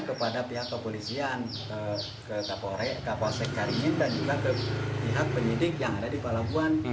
kepada pihak kepolisian ke kapolsek caringin dan juga ke pihak penyidik yang ada di pelabuhan